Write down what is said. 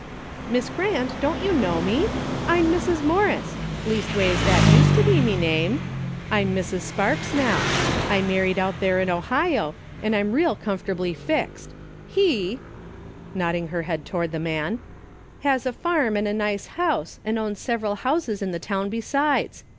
"Miss Grant, don't 3^ou know me? I'm Mrs. Morris — leastways that used to be me name. I'm Mrs. Sparks now. I married out there in Ohio, and I'm real comfortably fixed. He "— nodding her head toward the man —" has a farm and a nice house, and owns sev eral houses in the town besides.